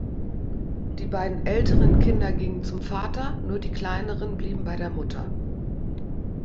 Die beiden älteren Kinder gingen zum Vater, nur die kleineren blieben bei der Mutter.